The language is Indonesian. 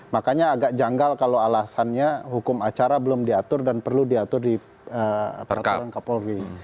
makanya agak janggal kalau alasannya hukum acara belum diatur dan perlu diatur di peraturan kapolri